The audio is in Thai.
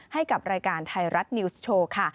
ให้กับรายการไทยรัฐนิวส์โชว์ค่ะ